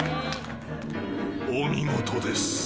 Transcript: ［お見事です］